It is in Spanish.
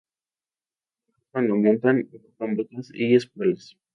Además cuando montan ocupan botas y espuelas.